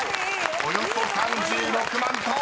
およそ３６万ｔ］